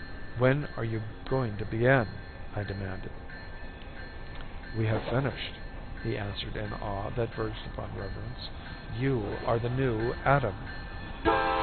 "When are you going to begin?" I demanded. "We have finished," he answered in awe that verged upon reverence. "You are the new Adam!"